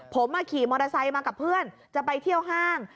ผมขี่มอเตอร์ไซค์มากับเพื่อนจะไปเที่ยวห้าง